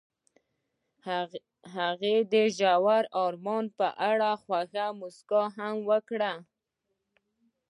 هغې د ژور آرمان په اړه خوږه موسکا هم وکړه.